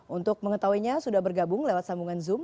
untuk mengetahuinya sudah bergabung lewat sambungan zoom